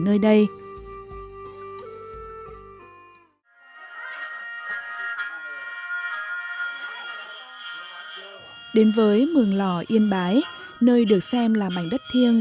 nơi được xem là mảnh đất thiêng